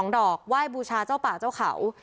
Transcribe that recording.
๑๒ดอกหว่ายบทชาเจ้าป่าเจ้าเขา